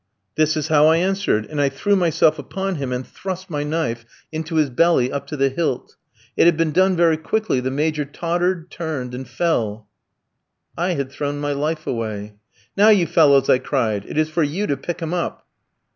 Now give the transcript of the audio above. "This is how I answered, and I threw myself upon him and thrust my knife into his belly up to the hilt. It had been done very quickly; the Major tottered, turned, and fell. "I had thrown my life away. "'Now, you fellows,' I cried, 'it is for you to pick him up.'"